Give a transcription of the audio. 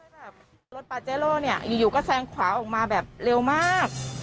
รถปาเจโร่อยู่ก็แซงขวาออกมาแบบเร็วมาก